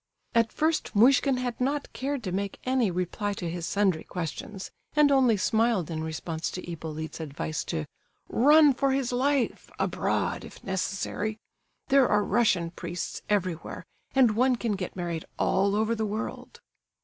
At first Muishkin had not cared to make any reply to his sundry questions, and only smiled in response to Hippolyte's advice to "run for his life—abroad, if necessary. There are Russian priests everywhere, and one can get married all over the world."